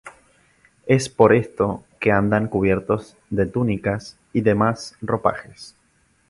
Es por esto que andan cubiertos de túnicas y demás ropajes.